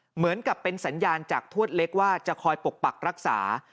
เหมือนกับเป็นสัญญาณจากทวดเล็กว่าจะคอยปกปักรักษา